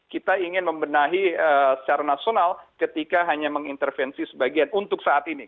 kita ingin membenahi secara nasional ketika hanya mengintervensi sebagian untuk saat ini